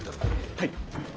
はい。